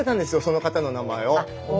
その方の名前を。